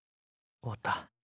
終わった。